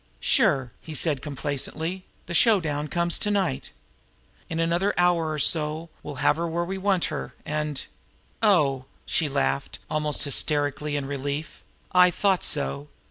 "Sure!" he said complacently. "The showdown comes to night. In another hour or so we'll have her where we want her, and " "Oh!" She laughed almost hysterically in relief. "I thought so!